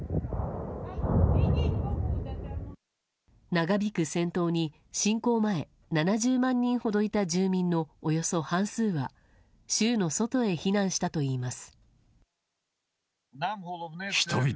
長引く戦闘に侵攻前７０万人ほどいた住民のおよそ半数は州の外へ避難したといいます。